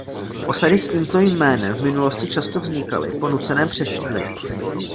Osady s tímto jménem v minulosti často vznikaly po nuceném přesídlení.